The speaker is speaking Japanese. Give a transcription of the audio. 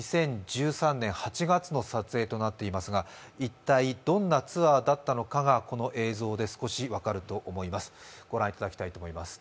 ２０１３年８月の撮影となっていますが一体、どんなツアーだったのかがこの映像で少し分かると思います。